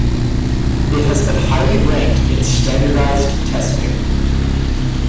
It has been highly ranked in standardized testing.